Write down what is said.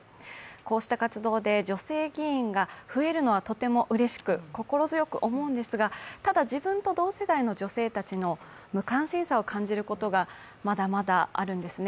こうした活動で女性議員が増えるのはとてもうれしく、心強く思うんですがただ、自分と同世代の女性たちの無関心さを感じることがまだまだあるんですね。